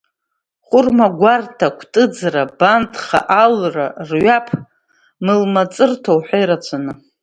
Хәырмагәарҭа, Кәтыӡра, Бандха, Алра, Рҩаԥ, мылмыҵырҭа уҳәа ирацәаны.